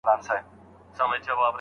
هغوی دا انګېزه اخلي چي تاسو ښه خلک ياست.